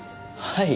はい。